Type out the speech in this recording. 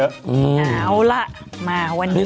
เอาล่ะมาวันนี้